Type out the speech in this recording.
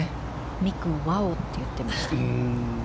ミックがワオ！って言ってました。